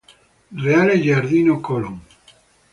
Reale Giardino Colon.